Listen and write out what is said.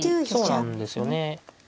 そうなんですよね。